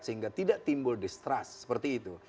sehingga tidak timbul distrust seperti itu